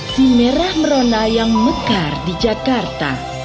si merah merona yang mekar di jakarta